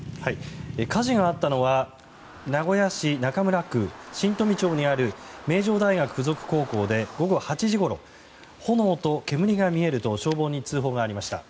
火事があったのは名古屋市中村区新富町にある名城大学附属高校で午後８時ごろ炎と煙が見えると消防に通報がありました。